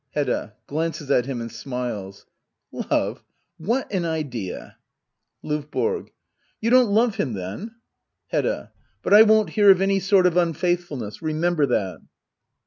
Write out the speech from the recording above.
Hedda. [Glances at him and stmles,] Love ? What an idea! L&VBORO. You don't love him then ! Hedda. But I won't hear of any sort of unfaithfulness ! Remember that.